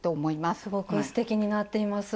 すごくすてきになっています。